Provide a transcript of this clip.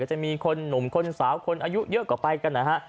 จะมีคนหนุ่มคนสาวคนอายุเยอะกว่าไปกันนะฮะ